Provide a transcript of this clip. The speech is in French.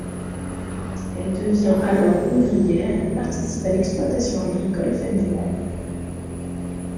Elle devient alors ouvrière et participe à l'exploitation agricole familiale.